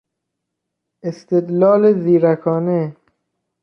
استدلال زیرکانه